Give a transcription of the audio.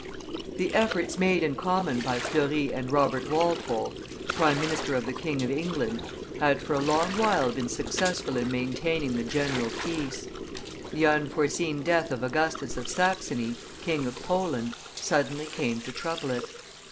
The efforts made in common by Fleury and Robert Walpole, prime minister of the King of England, had for a long while been successful in maintaining the general peace; the unforeseen death of Augustus of Saxony, King of Poland, suddenly came to trouble it.